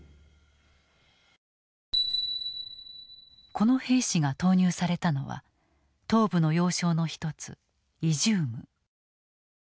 この兵士が投入されたのは東部の要衝の一つイジューム。